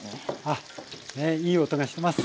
あっねいい音がしてます。